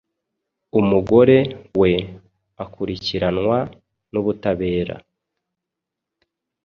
umugore we akurikiranwa n’ubutabera